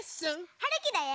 はるきだよ！